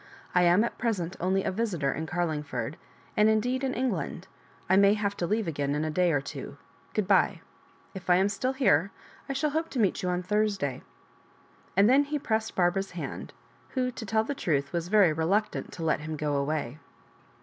"I am at present only a visitor in Carlingford, and indeed in Eng land — ^I may have to leave again in a day or two — good bye. If I am still here, I shall hope to meet you on Thursday." And then he pressed Barbara's hand, who, to tell the truth, was very reluctant to let him go away.